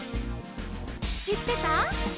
「しってた？」